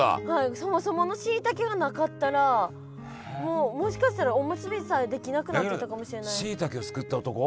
そもそものしいたけがなかったらもうもしかしたらおむすびさえできなくなってたかもしれない。